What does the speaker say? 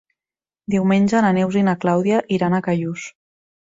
Diumenge na Neus i na Clàudia iran a Callús.